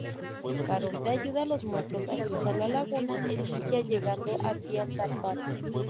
Caronte ayuda a los muertos a cruzar la laguna Estigia llegando así al Tártaro.